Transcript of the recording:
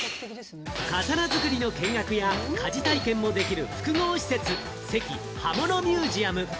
刀作りの見学や鍛冶体験もできる複合施設、関刃物ミュージアム。